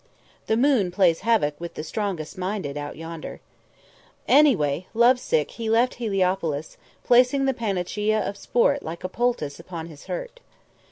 The moon plays havoc with the strongest minded, out yonder! Anyway, love sick, he left Heliopolis, placing the panacea of sport like a poultice upon his hurt.